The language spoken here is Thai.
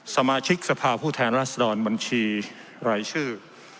สมาชิกสภาพผู้แทนรัศดรบัญชีรายชื่อ